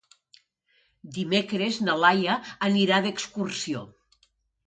Dimecres na Laia anirà d'excursió.